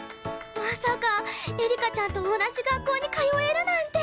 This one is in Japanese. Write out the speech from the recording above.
まさかエリカちゃんと同じ学校に通えるなんて。